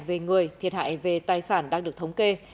về người thiệt hại về tài sản đang được thống kê